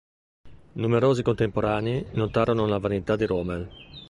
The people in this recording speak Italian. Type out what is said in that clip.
Numerosi contemporanei notarono la vanità di Rommel.